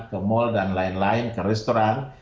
ke mal dan lain lain ke restoran